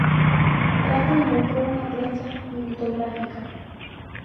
Trajo y montó una prensa litográfica.